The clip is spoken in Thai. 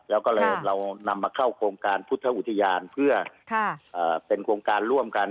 แล้วก็เลยเรานำมาเข้าโครงการพุทธอุทยานเพื่อเป็นโครงการร่วมกัน